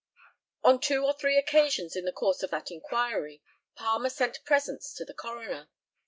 On two or three occasions in the course of that inquiry, Palmer sent presents to the coroner.